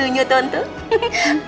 pokoknya tante tuh sayang banget sama nelly